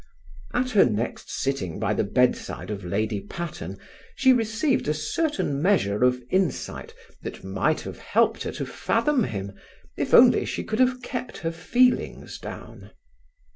At her next sitting by the bedside of Lady Patterne she received a certain measure of insight that might have helped her to fathom him, if only she could have kept her feelings down.